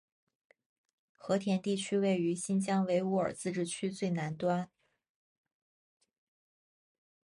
和田地区位于新疆维吾尔自治区最南端。